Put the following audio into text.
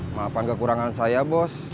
maafkan kekurangan saya bos